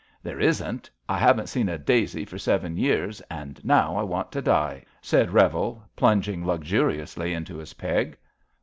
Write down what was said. There isn't. I haven't seen a daisy for seven years, and now I want to die," said Revel, plun ging luxuriously into his peg.